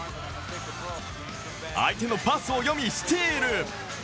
相手のパスを読み、スティール。